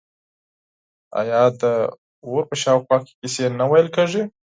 آیا د اور په شاوخوا کې کیسې نه ویل کیږي؟